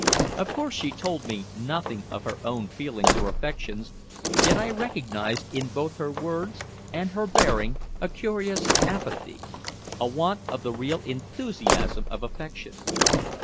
Of course she told me nothing of her own feelings or affections, yet I recognized in both her words and her bearing a curious apathy a want of the real enthusiasm of affection.